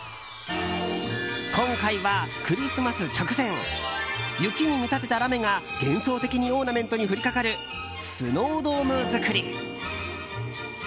今回はクリスマス直前雪に見立てたラメが幻想的にオーナメントに降りかかるスノードーム作り。